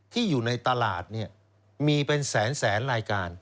ที่อยู่ในตลาดมีเป็นแสนรายการ